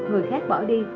người khác bỏ đi